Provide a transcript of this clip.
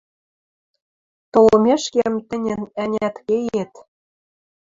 Толмешкем, тӹньӹн, ӓнят, кеет.